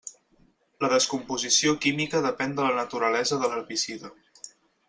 La descomposició química depèn de la naturalesa de l'herbicida.